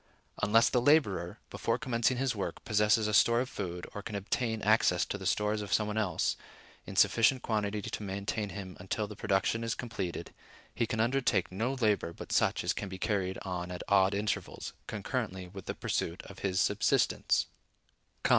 Unless the laborer, before commencing his work, possesses a store of food, or can obtain access to the stores of some one else, in sufficient quantity to maintain him until the production is completed, he can undertake no labor but such as can be carried on at odd intervals, concurrently with the pursuit of his subsistence.